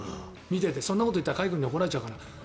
そんなこと言ったら甲斐君に怒られちゃうけど。